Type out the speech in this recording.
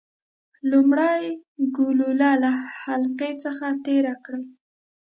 لومړی ګلوله له حلقې څخه تیره کړئ.